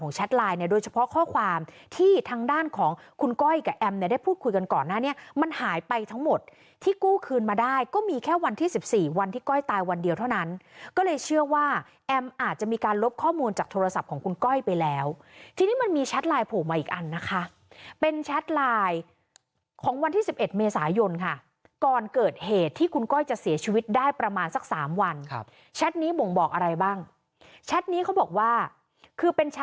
ของแชทไลน์เนี่ยโดยเฉพาะข้อความที่ทางด้านของคุณก้อยกับแอมเนี่ยได้พูดคุยกันก่อนหน้านี้มันหายไปทั้งหมดที่กู้คืนมาได้ก็มีแค่วันที่สิบสี่วันที่ก้อยตายวันเดียวเท่านั้นก็เลยเชื่อว่าแอมอาจจะมีการลบข้อมูลจากโทรศัพท์ของคุณก้อยไปแล้วทีนี้มันมีแชทไลน์โผล่มาอีกอันนะคะเป็นแชทไลน์ของ